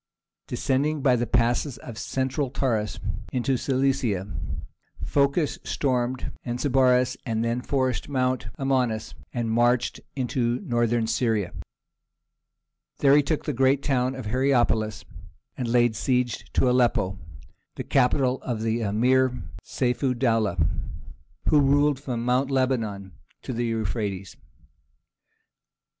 Descending by the passes of the Central Taurus into Cilicia, Phocas stormed Anazarbus, and then forced Mount Amanus, and marched into Northern Syria. There he took the great town of Hierapolis, and laid siege to Aleppo, the capital of the Emir Seyf ud dowleh, who ruled from Mount Lebanon to the Euphrates.